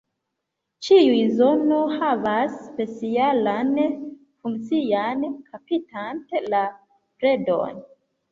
Ĉiu zono havas specialan funkcion kaptante la predon.